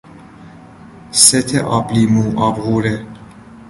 ست آبلیمو ، آبغوره